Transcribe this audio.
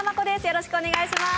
よろしくお願いします